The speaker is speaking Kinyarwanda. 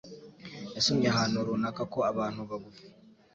yasomye ahantu runaka ko abantu bagufi